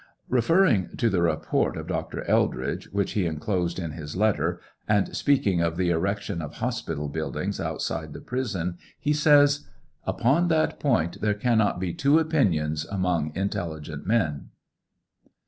Referring to the report of Dr. Eldridge, which he enclosed in his letter, and speaking of the erection of hospital buildings outside the prison, he says : Upon that point there cannot be two opinions among intelligent men.